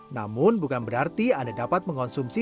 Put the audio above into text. namun bukan berarti anda dapat mengonsumsi